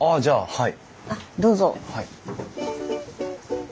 はい。